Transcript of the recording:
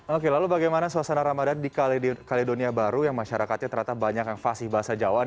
oke lalu bagaimana suasana ramadan di kaledonia baru yang masyarakatnya ternyata banyak yang fasih bahasa jawa